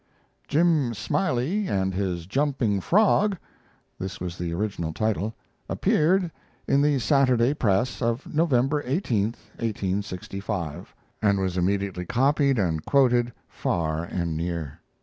"Jim Smiley and His Jumping Frog" [This was the original title.] appeared in the Saturday Press of November 18, 1865, and was immediately copied and quoted far and near.